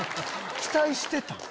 期待してたん？